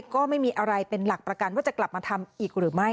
ก็ไม่มีอะไรเป็นหลักประกันว่าจะกลับมาทำอีกหรือไม่